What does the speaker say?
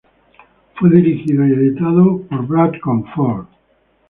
Fue dirigido y editado por Brad Comfort.